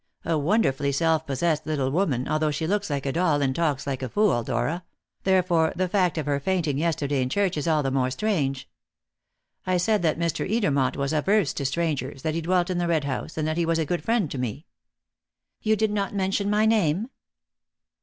A wonderfully self possessed little woman, although she looks like a doll and talks like a fool, Dora; therefore the fact of her fainting yesterday in church is all the more strange. I said that Mr. Edermont was averse to strangers, that he dwelt in the Red House, and that he was a good friend to me." "You did not mention my name?"